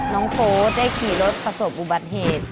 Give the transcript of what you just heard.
โฟสได้ขี่รถประสบอุบัติเหตุ